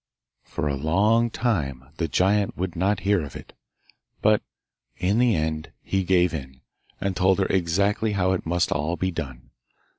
For a long time the giant would not hear of it, but in the end he gave in, and told her exactly how it must all be done.